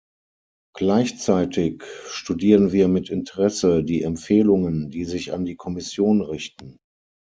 Gleichzeitig studieren wir mit Interesse die Empfehlungen, die sich an die Kommission richten.